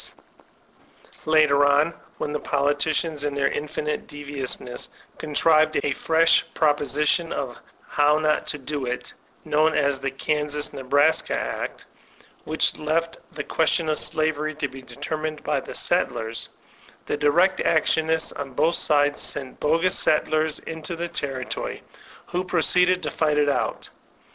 250 VOLTAIUNE DE ClEYKE Later on, when the politicians in their infinite devious ness contrived a fresh proposition of how not to do it| known as the Kansas Nebraska Act, which left the ques tion of slavery to be determined by the settlers, the direct actionists on both sides sent bogus settlers into the terri tory, who proceeded to fight it out.